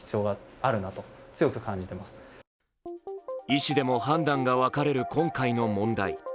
医師でも判断が分かれる今回の問題。